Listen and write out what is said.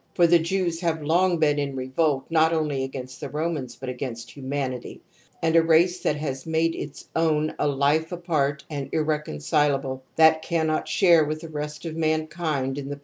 For _ the Jews have long been in revolt not only against _the Romans, but against humanity ; and a race that has made its own a life apart and irreconcilable, that cannot share with the rest of mankind in the.